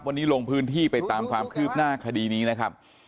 วันนี้ลงพื้นที่ไปตามความคืบหน้าคดีนี้นะครับ